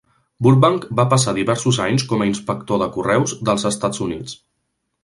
Burbank va passar diversos anys com a inspector de correus dels Estats Units.